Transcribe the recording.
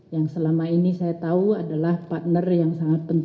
yang selama ini saya tahu adalah partner yang sangat penting